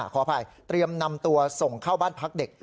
ขออภัยเตรียมนำตัวส่งเข้าบ้านพักเด็ก